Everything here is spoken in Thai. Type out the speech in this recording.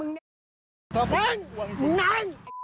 นั่งนั่งนั่ง